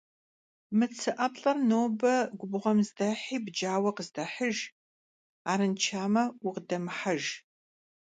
Mı tsı 'eplh'er nobe gubğuem zdehi bcaue khısxuehıjj, arınşşame vukhıdemıhejj!